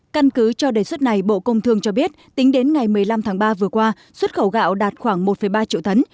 căn cứ cho đề xuất này bộ công thương cho biết tính đến ngày một mươi năm tháng ba vừa qua xuất khẩu gạo đạt khoảng một ba triệu tấn